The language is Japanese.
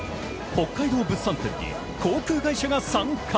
北海道物産展に航空会社が参加。